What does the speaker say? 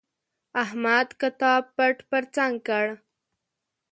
احمد کتاب پټ پر څنګ کړ.